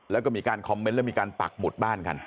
แล้วก็มีการคอมเมนต์แล้วมีการปักหมุดบ้านกัน